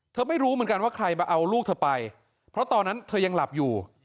ไม่รู้เหมือนกันว่าใครมาเอาลูกเธอไปเพราะตอนนั้นเธอยังหลับอยู่